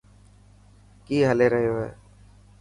ڪي هلي ريو هي.